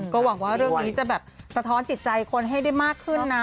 ก็หวังว่าเรื่องนี้จะแบบสะท้อนจิตใจคนให้ได้มากขึ้นนะ